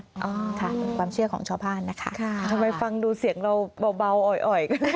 อ่าค่ะเป็นความเชื่อของชาวบ้านนะคะทำไมฟังดูเสียงเราเบาอ่อย